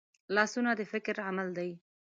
لاسونه د فکر عمل دي